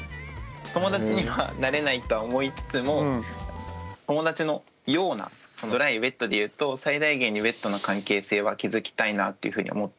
友達にはなれないとは思いつつも友達のようなドライウエットでいうと最大限にウエットな関係性は築きたいなっていうふうに思っていて。